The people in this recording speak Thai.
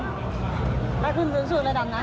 ถ้าขึ้นสูงสุดระดับนั้น